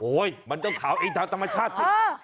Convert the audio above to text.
โอ้ยมันต้องขาวไอ้เธอธรรมชาติ